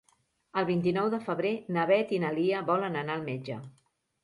El vint-i-nou de febrer na Beth i na Lia volen anar al metge.